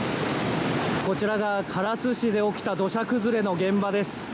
こちらが、唐津市で起きた土砂崩れの現場です。